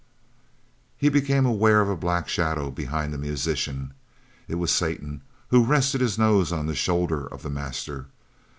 He became aware of a black shadow behind the musician. It was Satan, who rested his nose on the shoulder of the master.